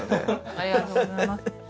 ありがとうございます。